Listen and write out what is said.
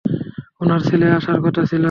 উনার ছেলের আসার কথা ছিল।